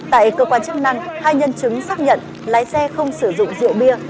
tại cơ quan chức năng hai nhân chứng xác nhận lái xe không sử dụng rượu bia